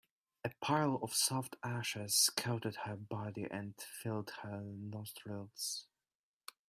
A pile of soft ashes coated her body and filled her nostrils.